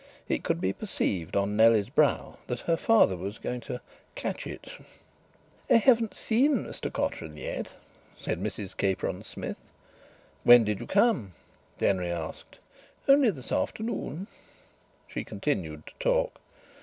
It could be perceived on Nellie's brow that her father was going "to catch it." "I haven't seen Mr Cotterill yet," said Mrs Capron Smith. "When did you come?" Denry asked. "Only this afternoon." She continued to talk.